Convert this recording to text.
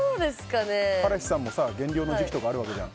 彼氏さんも減量の時期とかあるわけじゃん。